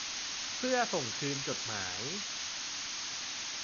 เพื่อส่งคืนจดหมาย